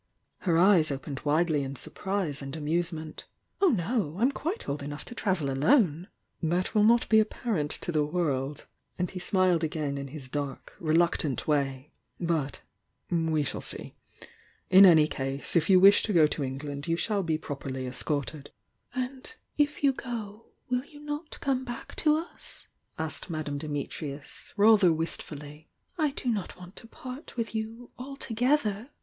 Her eyes opened widely in sur priw and amusement. "Oh, no! I'm quite old enoudi to travel alone!" "1% will not be apparent to the world" — And he smiled asain in his dark, reluctant way— "But— we shall aee. In any case, if you wish to go to England, you shall be properly escorted." "And if you go, will you not come back to us?" aaked Madame Dimitrius. rather wistfully. "I do not want to part with you altogether!"